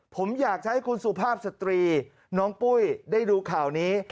ผมอยากจะให้คุณสุภาพสตรีน้องปุ้ยได้ดูข่าวนี้